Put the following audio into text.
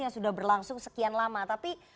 yang sudah berlangsung sekian lama tapi